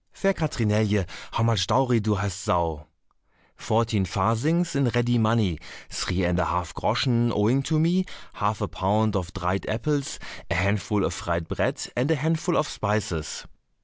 "Fair Katrinelje, how much dowry do hast thou?" "Fourteen farthings in ready money, three and a half groschen owing to me, half a pound of dried apples, a handful of fried bread, and a handful of spices.